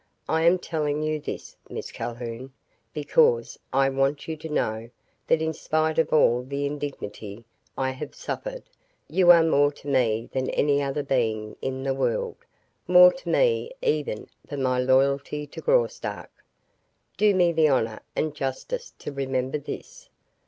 I am telling you this, Miss Calhoun, because I want you to know that in spite of all the indignity I have suffered, you are more to me than any other being in the world, more to me even than my loyalty to Graustark. Do me the honor and justice to remember this.